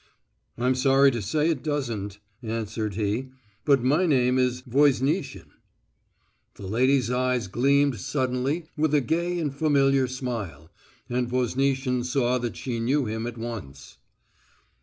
"I'm sorry to say it doesn't," answered he, "but my name is Voznitsin." The lady's eyes gleamed suddenly with a gay and familiar smile, and Voznitsin saw that she knew him at once.